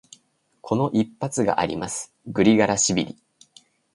この一発があります、グリガラシビリ。